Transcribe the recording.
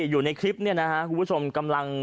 อยู่ในคลิปนี้นะครับคุณผู้ชมกำลัง